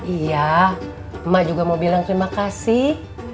iya emak juga mau bilang terima kasih